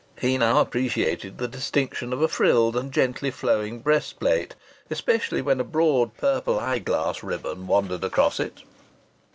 He now appreciated the distinction of a frilled and gently flowing breast plate, especially when a broad purple eyeglass ribbon wandered across it.